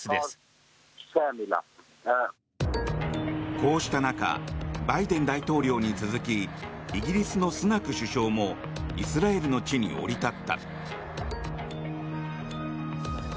こうした中バイデン大統領に続きイギリスのスナク首相もイスラエルの地に降り立った。